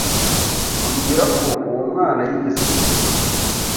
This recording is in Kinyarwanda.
ambwira ko uwo mwana yigeze kuruka